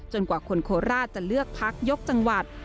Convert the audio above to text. กว่าคนโคราชจะเลือกพักยกจังหวัด